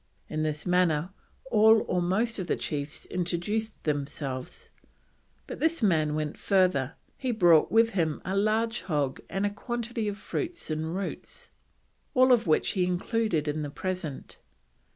In this manner all or most of the chiefs introduced themselves, but this man went further, he brought with him a large hog and a quantity of fruits and roots, all of which he included in the present.